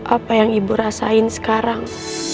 apa yang ibu rasain sekarang